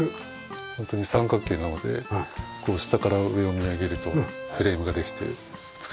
ホントに三角形なので下から上を見上げるとフレームができて美しいですね。